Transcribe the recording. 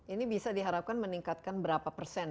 ini bisa diharapkan meningkatkan berapa persen